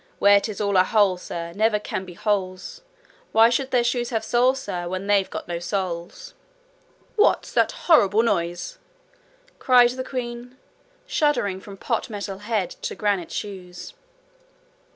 '"Where 'tis all a hole, Sir, Never can be holes: Why should their shoes have soles, Sir, When they've got no souls?"' 'What's that horrible noise?' cried the queen, shuddering from pot metal head to granite shoes.